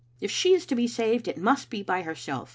If she is to be saved, it must be by herself.